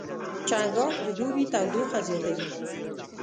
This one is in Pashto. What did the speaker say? چنګاښ د دوبي تودوخه زیاتوي.